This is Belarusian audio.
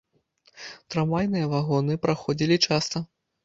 Трамвайныя вагоны праходзілі часта.